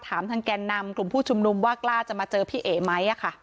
ถามทางแก่นำกลุ่มผู้ชุมนุมว่ากล้าจะมาเจอพี่เอ๋ไหม